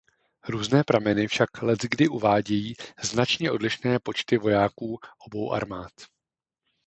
Různé prameny však leckdy uvádějí značně odlišné počty vojáků obou armád.